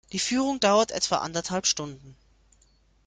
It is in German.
Die Führung dauert etwa anderthalb Stunden.